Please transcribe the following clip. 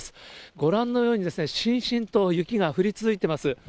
ご覧のようにですね、しんしんと雪が降り続いています。